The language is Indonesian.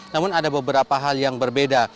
namun ada beberapa hal yang berbeda